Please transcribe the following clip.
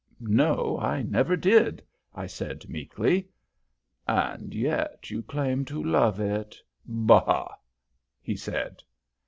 "No, I never did," I said, meekly. "And yet you claim to love it. Bah!" he said.